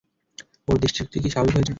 ওর দৃষ্টিশক্তি কি স্বাভাবিক হয়েছে?